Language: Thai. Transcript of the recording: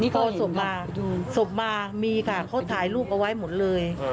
ก็ศพมาศพมามีค่ะเขาถ่ายรูปเอาไว้หมดเลย